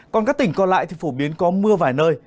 còn các tỉnh còn lại thì phổ biến có mưa vài nơi